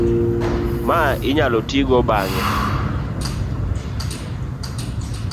ma inyalo tigo bang'e